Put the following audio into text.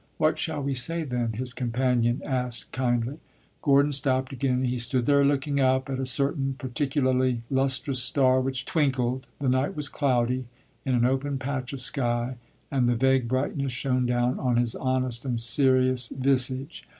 "What shall we say, then?" his companion asked, kindly. Gordon stopped again; he stood there looking up at a certain particularly lustrous star which twinkled the night was cloudy in an open patch of sky, and the vague brightness shone down on his honest and serious visage.